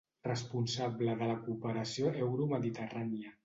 Responsable de la cooperació euromediterrània.